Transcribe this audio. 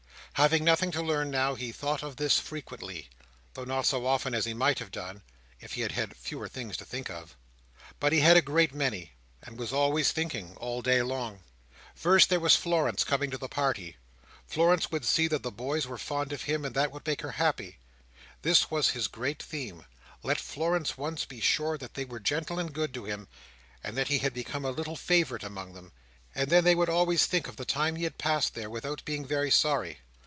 Having nothing to learn now, he thought of this frequently; though not so often as he might have done, if he had had fewer things to think of. But he had a great many; and was always thinking, all day long. First, there was Florence coming to the party. Florence would see that the boys were fond of him; and that would make her happy. This was his great theme. Let Florence once be sure that they were gentle and good to him, and that he had become a little favourite among them, and then she would always think of the time he had passed there, without being very sorry.